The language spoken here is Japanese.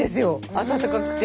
温かくて。